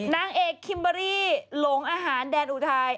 นางเอกคิมเบอรี่หลงอาหารแดนอุทัย